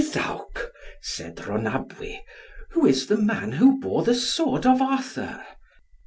"Iddawc," said Rhonabwy, "who is the man who bore the sword of Arthur?"